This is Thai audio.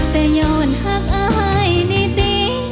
แต่ย้อนหักอายนิติ